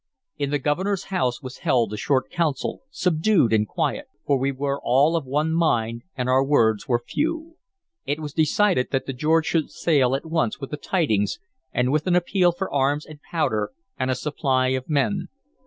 In the Governor's house was held a short council, subdued and quiet, for we were all of one mind and our words were few. It was decided that the George should sail at once with the tidings, and with an appeal for arms and powder and a supply of men.